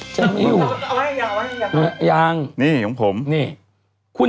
เจ้าไม่อยู่